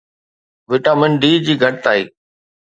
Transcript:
vitamin D جي گھٽتائي